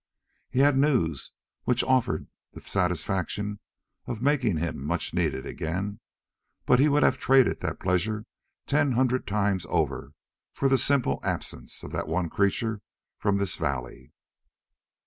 He had news which offered the satisfaction of making him much needed again, but he would have traded that pleasure ten hundred times over for the simple absence of that one creature from this valley.